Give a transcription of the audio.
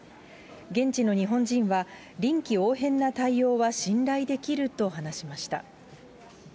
現地の日本人は、臨機応変な対応は信頼できると話しました。